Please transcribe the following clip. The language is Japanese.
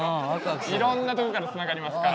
いろんなとこからつながりますから。